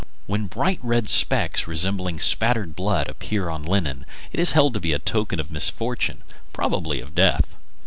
When bright red specks resembling spattered blood appear on linen, it is held to be a token of misfortune, probably of death.